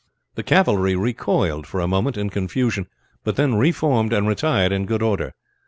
The cavalry recoiled for a moment in confusion, but then reformed and retired in good order.